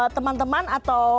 sekarang teman teman bisa berkebun